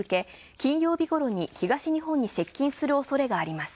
金曜日ごろに東日本に接近するおそれがあります。